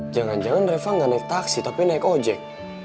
jangan jangan reva nggak naik taksi tapi naik ojek